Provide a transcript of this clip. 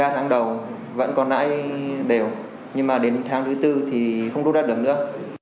hai mươi ba tháng đầu vẫn còn nãi đều nhưng mà đến tháng thứ tư thì không rút đắt được nữa